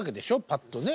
パッとね。